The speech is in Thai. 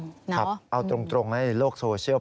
ก็ตรงไว้ในโลกโซเชียล